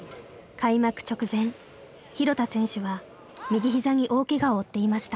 開幕直前廣田選手は右ひざに大けがを負っていました。